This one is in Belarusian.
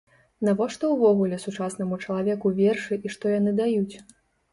Навошта ўвогуле сучаснаму чалавеку вершы і што яны даюць?